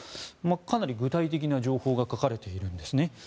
かなり具体的な情報が書かれているんですね。